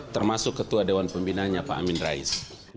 termasuk ketua dewan pembinanya pak amin rais